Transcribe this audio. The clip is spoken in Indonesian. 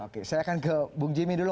oke saya akan ke bung jimmy dulu